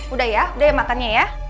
udah ya udah ya makannya ya